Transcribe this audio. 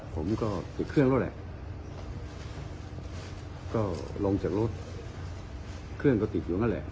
ผมก็ติดเครื่องแล้วแหละก็ลงจากรถเครื่องก็ติดอยู่นั่นแหละ